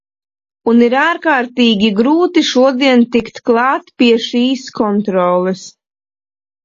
Un ir ārkārtīgi grūti šodien tikt klāt pie šīs kontroles.